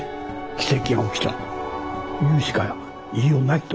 奇跡が起きたと言うしか言いようないと。